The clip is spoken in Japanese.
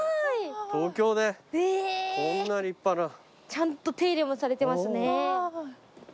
ちゃんと手入れもされてますね。